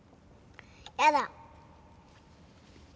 やだ。